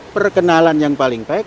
perkenalan yang paling baik